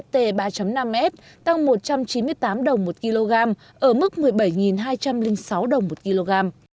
tăng một trăm chín mươi tám đồng một kg ở mức một mươi bảy hai trăm linh sáu đồng một kg